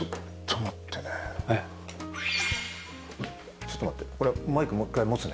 ちょっと待ってね。